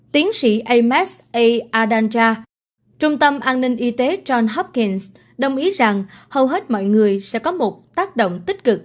tiến sĩ ames a adanja trung tâm an ninh y tế john hopkins đồng ý rằng hầu hết mọi người sẽ có một tác động tích cực